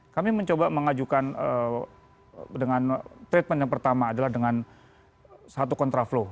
kami mencoba mengajukan dengan treatment yang pertama adalah dengan satu kontraflow